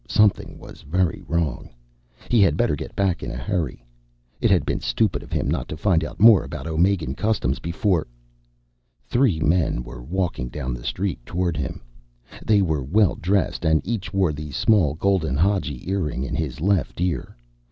Something was very wrong. He had better get back in a hurry. It had been stupid of him not to find out more about Omegan customs before.... Three men were walking down the street toward him. They were well dressed, and each wore the small golden Hadji earring in his left ear.